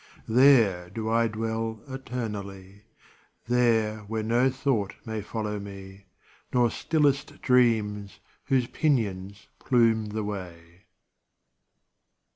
There do I dwell eternally. There where no thought may follow me, Nor stillest dreams whose pinions plume the way.